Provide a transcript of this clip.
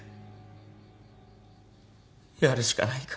やるしかないか。